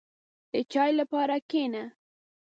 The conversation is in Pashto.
• د چای لپاره کښېنه.